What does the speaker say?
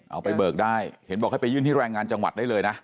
เอาไปเบิกได้เห็นบอกให้ไปยื่นที่แรงงานจังหวัดได้เลยนะ